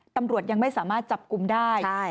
ตำรวจยังไม่สามารถจับกลุ่มได้